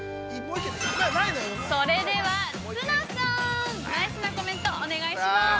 ◆それでは綱さんナイスなコメント、お願いします。